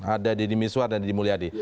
ada di dini miswa dan dini mulyadi